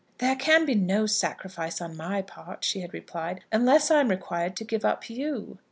"There can be no sacrifice on my part," she had replied, "unless I am required to give up you."